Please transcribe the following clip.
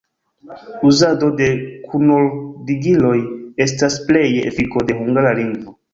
Uzado de kunordigiloj estas pleje efiko de Hungara lingvo.